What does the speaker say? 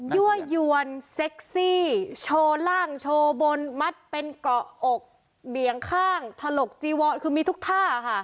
ั่วยวนเซ็กซี่โชว์ล่างโชว์บนมัดเป็นเกาะอกเบี่ยงข้างถลกจีวอนคือมีทุกท่าค่ะ